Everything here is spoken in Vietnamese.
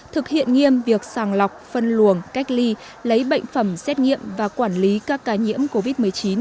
thực hiện nghiêm việc sàng lọc phân luồng cách ly lấy bệnh phẩm xét nghiệm và quản lý các ca nhiễm covid một mươi chín